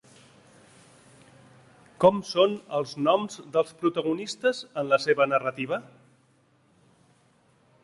Com són els noms dels protagonistes en la seva narrativa?